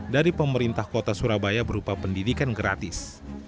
dari pemerintah kota surabaya berupa pendidikan gratis